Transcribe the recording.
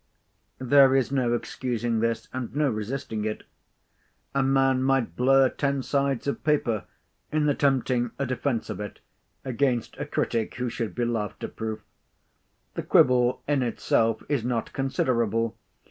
There is no excusing this, and no resisting it. A man might blur ten sides of paper in attempting a defence of it against a critic who should be laughter proof. The quibble in itself is not considerable.